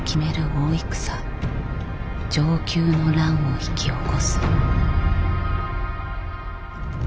大戦承久の乱を引き起こす。